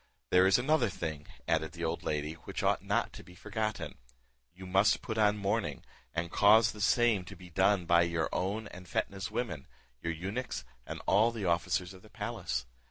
There is another thing," added the old lady, "which ought not to be forgotten; you must put on mourning, and cause the same to be done by your own and Fetnah's women, your eunuchs, and all the officers of the palace.